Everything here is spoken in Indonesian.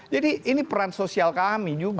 jadi ini peran sosial kami juga